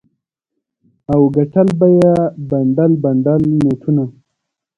او ګټل به یې بنډل بنډل نوټونه.